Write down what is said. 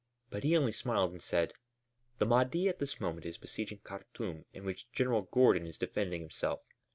But he only smiled and said: "The Mahdi at this moment is besieging Khartûm in which General Gordon is defending himself.